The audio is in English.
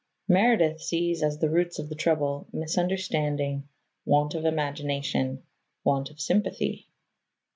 Meredith sees, as the roots of the trouble, misunderstanding, want of imagination, want of sympathy.